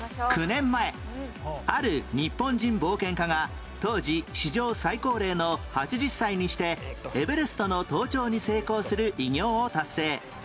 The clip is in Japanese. ９年前ある日本人冒険家が当時史上最高齢の８０歳にしてエベレストの登頂に成功する偉業を達成